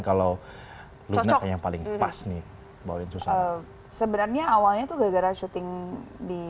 kalau cocok yang paling pas nih baru itu sebenarnya awalnya tuh gara gara syuting di